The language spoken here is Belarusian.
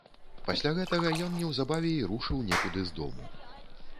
Пасля гэтага ён неўзабаве і рушыў некуды з дому.